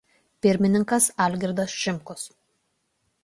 Pirmininkas Algirdas Šimkus.